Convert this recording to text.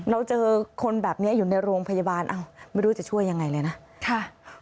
เราเจอคนแบบนี้อยู่ในโรงพยาบาลไม่รู้จะช่วยอย่างไรเลยนะ